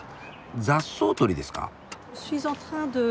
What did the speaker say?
雑草取りですか？